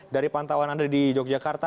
dari pantauan anda di yogyakarta